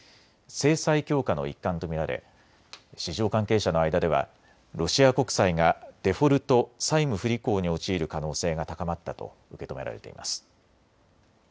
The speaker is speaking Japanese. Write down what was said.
制裁強化の一環と見られ、市場関係者の間ではロシア国債がデフォルト・債務不履行に陥る可能性が高まったと受け止められています。